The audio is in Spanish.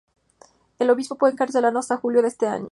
El obispo fue encarcelado hasta julio de ese año.